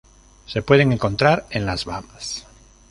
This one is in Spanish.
Se pueden encontrar en las Bahamas.